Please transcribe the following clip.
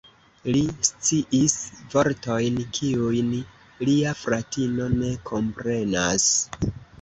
Li sciis vortojn, kiujn lia fratino ne komprenas.